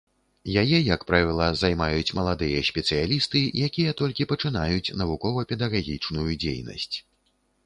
Яе, як правіла, займаюць маладыя спецыялісты, якія толькі пачынаюць навукова-педагагічную дзейнасць.